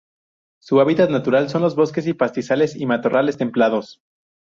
Su hábitat natural son los bosques y pastizales y matorrales templados.